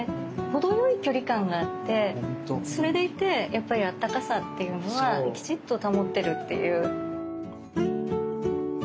程よい距離感があってそれでいてやっぱりあったかさっていうのはきちっと保ってるっていう。